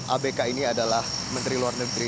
abk ini adalah menteri luar negeri